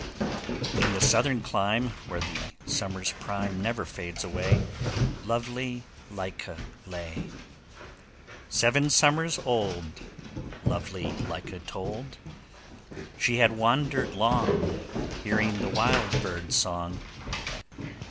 In the southern clime, Where the summer's prime Never fades away, Lovely Lyca lay. Seven summers old Lovely Lyca told. She had wandered long, Hearing wild birds' song.